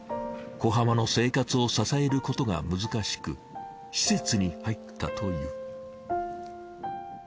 小浜の生活を支えることが難しく施設に入ったという。